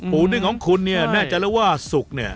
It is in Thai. นึ่งของคุณเนี่ยน่าจะแล้วว่าสุกเนี่ย